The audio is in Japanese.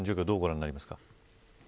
どうご覧になりますか。